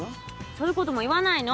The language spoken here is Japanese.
そういうことも言わないの。